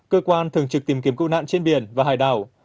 cơ quan thường trực tìm kiếm cứu nạn trên biển và hải đảo